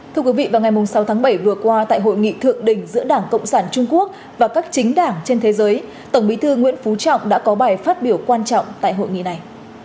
thưa quý vị vào ngày sáu tháng bảy vừa qua tại hội nghị thượng đỉnh giữa đảng cộng sản trung quốc và các chính đảng trên thế giới tổng bí thư nguyễn phú trọng đã có bài phát biểu quan trọng tại hội nghị này